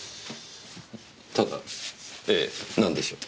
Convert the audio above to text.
ただええなんでしょう？